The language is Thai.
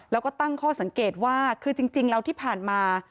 แล้วก็ตั้งข้อสังเกตว่าคือจริงแล้วที่ผ่านมา